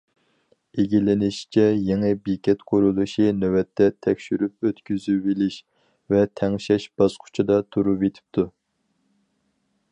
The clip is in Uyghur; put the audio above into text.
ئىگىلىنىشىچە، يېڭى بېكەت قۇرۇلۇشى نۆۋەتتە تەكشۈرۈپ ئۆتكۈزۈۋېلىش ۋە تەڭشەش باسقۇچىدا تۇرۇۋېتىپتۇ.